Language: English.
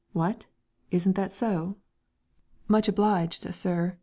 What?... Isn't that so?" "Much obliged, sir!"